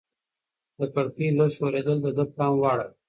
د کړکۍ لږ ښورېدل د ده پام واړاوه.